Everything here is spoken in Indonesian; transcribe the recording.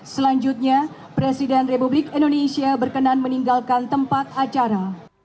selanjutnya presiden republik indonesia berkenan meninggalkan tempat acara